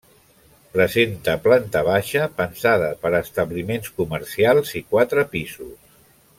Presenta planta baixa, pensada per a establiments comercials, i quatre pisos.